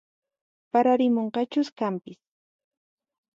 Pararimunqachus kanpis